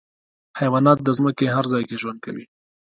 حیوانات د ځمکې هر ځای کې ژوند کوي.